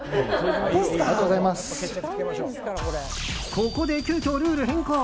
ここで急きょルール変更。